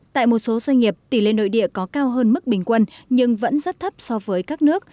tại một số doanh nghiệp tỷ lệ nội địa có cao hơn mức bình quân nhưng vẫn rất thấp so với các nước